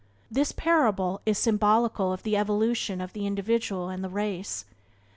This parable is symbolical of the evolution of the individual and the race.